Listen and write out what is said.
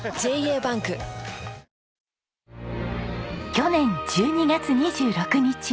去年１２月２６日。